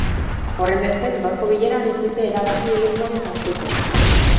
Horrenbestez, gaurko bileran ez dute erabaki irmorik hartuko.